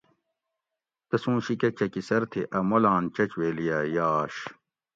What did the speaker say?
تسُوں شیکہ چکیسر تھی اۤ مولان چچ ویلی اۤ یاش